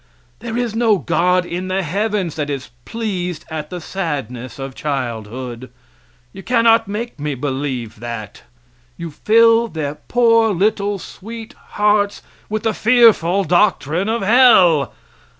There is no God in the heavens that is pleased at the sadness of childhood. You cannot make me believe that. You fill their poor, little, sweet hearts with the fearful doctrine of hell.